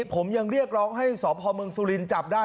ผมยังเรียกร้องให้สพเมืองสุรินทร์จับได้